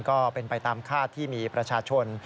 ก็เป็นไปตามคาดที่มีประชาชน